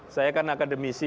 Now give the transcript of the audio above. saya kan akademisi